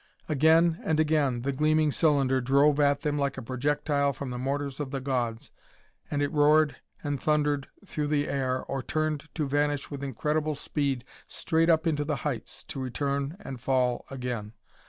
Again and again the gleaming cylinder drove at them like a projectile from the mortars of the gods, and it roared and thundered through the air or turned to vanish with incredible speed straight up into the heights, to return and fall again